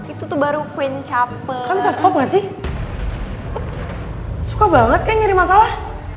itu baru queen caper stop masih suka banget kayak nyari masalah